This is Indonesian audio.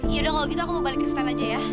yaudah kalau gitu aku mau balik ke setan aja ya